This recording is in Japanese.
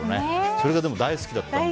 それが大好きだったんだ。